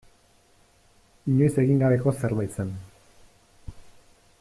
Inoiz egin gabeko zerbait zen.